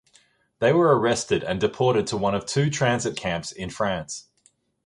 They were arrested and deported to one of two transit camps in France.